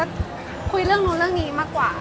ก็คุยเรื่องนู้นเรื่องนี้มากกว่า